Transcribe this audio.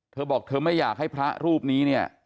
เธอบอกเธอไม่อยากให้พระรูปนี้เนี่ย